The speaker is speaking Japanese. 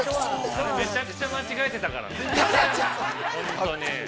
◆めちゃくちゃ間違えてたからね。